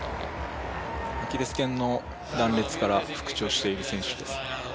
アキレスけんの断裂から復調している選手ですね。